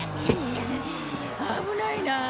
危ないなあ。